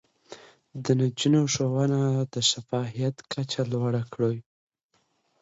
د نجونو ښوونه د شفافيت کچه لوړه کوي.